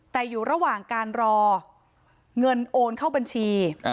แต่อยู่ระหว่างการรอเงินโอนเข้าบัญชี